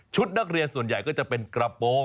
นักเรียนส่วนใหญ่ก็จะเป็นกระโปรง